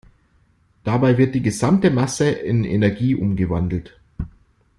Dabei wird die gesamte Masse in Energie umgewandelt.